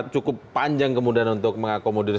cukup panjang kemudian untuk mengakomodir